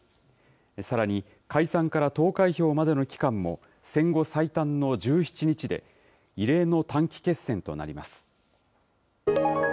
さらに、解散から投開票までの期間も、戦後最短の１７日で、異例の短期決戦となります。